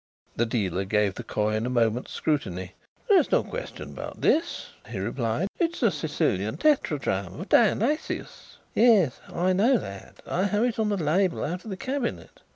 The dealer gave the coin a moment's scrutiny. "There is no question about this," he replied. "It is a Sicilian tetradrachm of Dionysius." "Yes, I know that I have it on the label out of the cabinet.